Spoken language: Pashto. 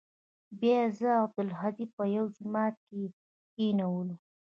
بيا يې زه او عبدالهادي په يوه جماعت کښې کښېنولو.